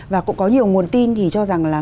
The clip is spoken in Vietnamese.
và cũng có nhiều nguồn tin thì cho rằng là